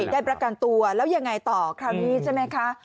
ได้ประกันตัวแล้วยังไงต่อคราวนี้ใช่ไหมคะ